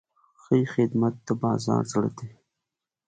ښه خدمت د بازار زړه دی.